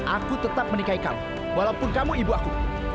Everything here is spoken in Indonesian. aku tetap menikahi kamu walaupun kamu ibu aku